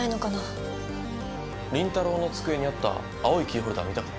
倫太郎の机にあった青いキーホルダー見たか？